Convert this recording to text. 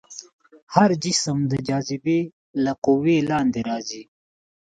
هر جسم د جاذبې له قوې لاندې راځي.